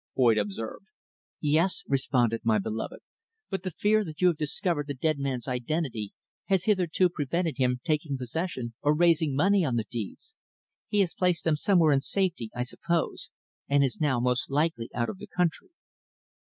Boyd observed. "Yes," responded my beloved. "But the fear that you have discovered the dead man's identity has hitherto prevented him taking possession or raising money on the deeds. He has placed them somewhere in safety, I suppose, and is now most likely out of the country."